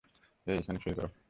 এখানে সঁই করো।